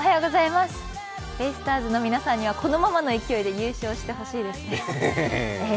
ベイスターズの皆さんにはこのままの勢いで優勝してほしいですね。